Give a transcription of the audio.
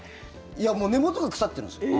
いや、もう根元が腐っているんです。